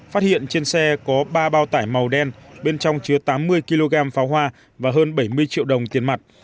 phát hiện trên xe có ba bao tải màu đen bên trong chứa tám mươi kg pháo hoa và hơn bảy mươi triệu đồng tiền mặt